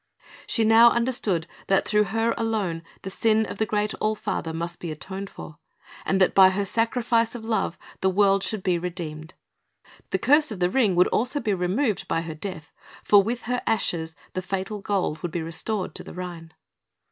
She now understood that through her alone the sin of the great All Father must be atoned for, and that by her sacrifice of Love, the world should be redeemed. The curse of the Ring would also be removed by her death, for with her ashes the fatal Gold would be restored to the Rhine.